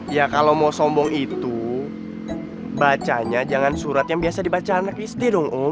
ya kalau mau sombong itu bacanya jangan surat yang biasa dibaca anak istri dong